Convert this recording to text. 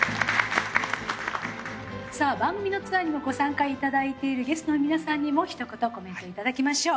さあ番組のツアーにもご参加いただいているゲストの皆さんにもひと言コメントいただきましょう。